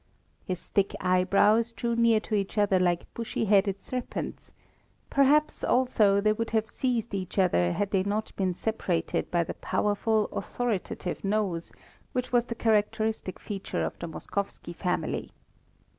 His thick eyebrows drew near to each other like bushy headed serpents perhaps, also, they would have seized each other had they not been separated by the powerful authoritative nose, which was the characteristic feature of the Moskowski family.